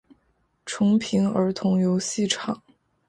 重平儿童游戏场